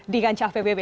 di ganjah pbb